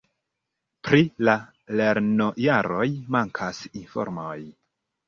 Pri la lernojaroj mankas informoj.